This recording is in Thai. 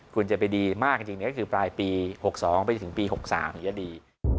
คุณจะไปดีมากจริงก็คือปลายปี๖๒ไปจนถึงปี๖๓จะดี